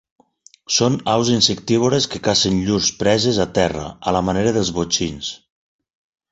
Són aus insectívores que cacen llurs preses a terra, a la manera dels botxins.